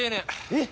えっ？